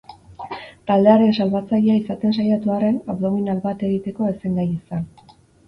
Taldearen salbatzailea izaten saiatu arren, abdominal bat egiteko ez zen gai izan.